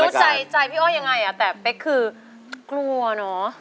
เข้าใจใจพี่อ้อยยังไงอ่ะแต่เป๊กคือกลัวเนอะ